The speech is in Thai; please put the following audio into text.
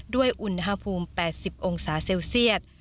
ด้วยอุณหภูมิ๘๐องศาเซลเซียต